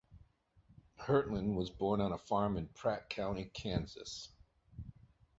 Hertlein was born on a farm in Pratt County, Kansas.